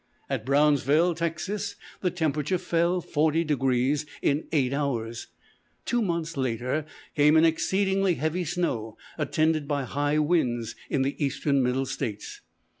At Brownsville, Texas, the temperature fell forty degrees in eight hours. Two months later came an exceedingly heavy snow attended by high winds, in the eastern Middle States.